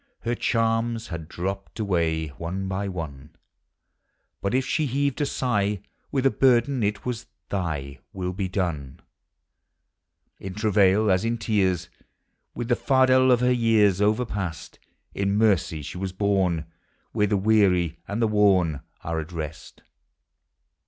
ller charms had dropped away One by one; But if she heaved a sigh With a burden, it was, " Thy Will be done/' In travail, as in tears, With the fardel of her years Overpast, In mercy she was borne Where the weary and the worn Are at rest.